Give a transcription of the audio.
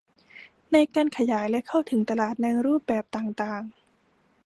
ในการขยายและเข้าถึงตลาดในรูปแบบต่างต่าง